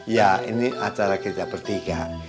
ya ini acara kita bertiga